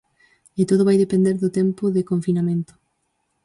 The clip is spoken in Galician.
E todo vai depender do tempo de confinamento.